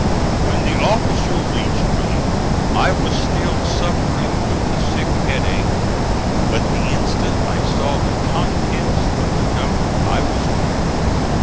When the officer reached me I was still suffering with the sick headache, but the instant I saw the contents of the note I was cured.